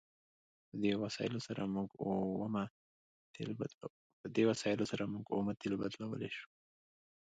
په دې وسایلو سره موږ اومه تیل بدلولی شو.